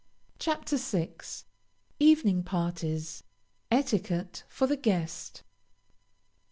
CHAPTER VI. EVENING PARTIES. ETIQUETTE FOR THE GUEST.